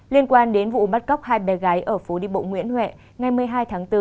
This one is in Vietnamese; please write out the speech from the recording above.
liên quan đến vụ bắt cóc hai bé gái ở phố đi bộ nguyễn huệ ngày một mươi hai tháng bốn